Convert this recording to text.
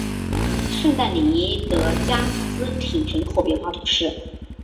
圣但尼德加斯廷人口变化图示